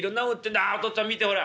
あお父っつぁん見てほら。